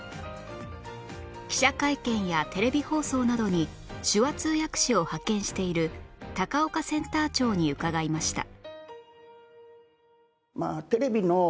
記者会見やテレビ放送などに手話通訳士を派遣している高岡センター長に伺いました